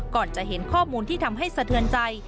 ก่อนจะเห็นข้อมูลที่ทำให้สะเทือนใจ